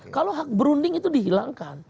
kalau hak berunding itu dihilangkan